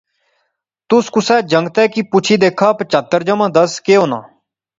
تس کسا جنگتا کی پُچھا دیکھا پچہتر جمع دس کے ہونا